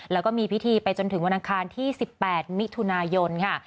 แล้วก็มีพิธีไปจนถึงวันอังคารที่๑๘มิถุนายนค่ะ